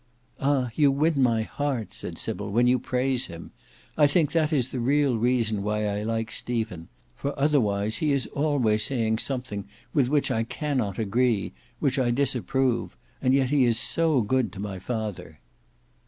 "Ah! you win my heart," said Sybil, "when you praise him. I think that is the real reason why I like Stephen; for otherwise he is always saying something with which I cannot agree, which I disapprove; and yet he is so good to my father!"